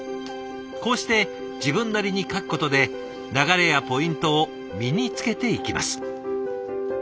こうして自分なりに書くことで流れやポイントを身につけていきます。